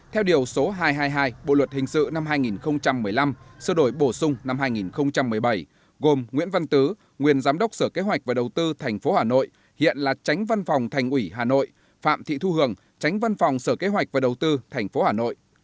theo điều số hai trăm hai mươi hai bộ luật hình sự năm hai nghìn một mươi năm sơ đổi bổ sung năm hai nghìn một mươi bảy gồm nguyễn văn tứ nguyên giám đốc sở kế hoạch và đầu tư tp hà nội hiện là tránh văn phòng thành ủy hà nội phạm thị thu hường tránh văn phòng sở kế hoạch và đầu tư tp hà nội